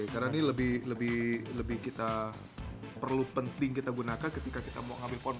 karena ini lebih penting kita gunakan ketika kita mau mengambil porncorp